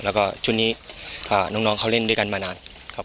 แล้วก็ชุดนี้น้องเขาเล่นด้วยกันมานานครับ